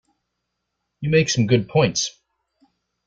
You make some good points.